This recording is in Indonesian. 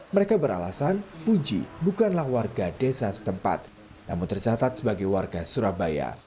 mereka beralasan puji bukanlah warga desa setempat namun tercatat sebagai warga surabaya